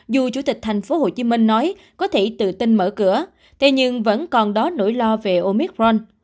dù chủ tịch thành phố hồ chí minh nói có thể tự tin mở cửa thế nhưng vẫn còn đó nỗi lo về omicron